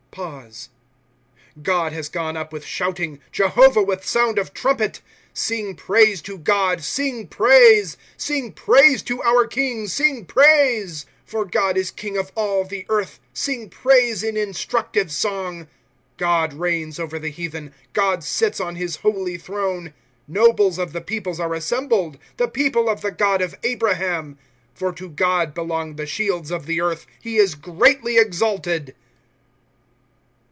^ God has gone up with shouting, Jehovah with sound of trumpet. * Sing praise to God, sing praise ; Sing praise to our king, sing praise. ' For God is king of all the earth ; Sing praise, in instructive song. ^ God reigns over the heathen ; God sits on his holy throne. ^ Kobles of the peoples are assembled. The people of the God of Abraham. For to God belong the shields of the earth; He is greatly exalted.